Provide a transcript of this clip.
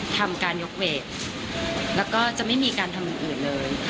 ทำการยกเวทแล้วก็จะไม่มีการทำอย่างอื่นเลย